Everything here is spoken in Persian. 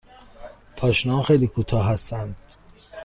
پاشنه ها خیلی کوتاه هستند.